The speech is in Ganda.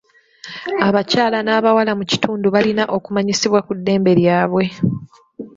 Abakyala n'abawala mu kitundu balina okumanyisibwa ku ddembe lyabwe.